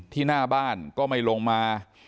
หน้าบ้านก็ไม่ลงมา